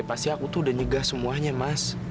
pasti aku tuh udah nyegah semuanya mas